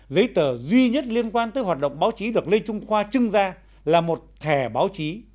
giấy tờ duy nhất liên quan tới hoạt động báo chí được lê trung khoa trưng ra là một thẻ báo chí